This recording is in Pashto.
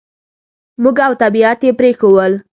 موږ او طبعیت یې پرېښوول.